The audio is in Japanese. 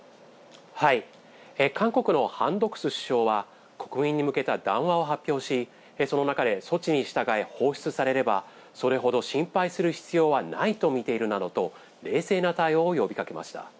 韓国のハン・ドクス首相は、国民に向けた談話を発表し、その中で、措置に従い放出されれば、それほど心配する必要はないと見ているなどと、冷静な対応を呼びかけました。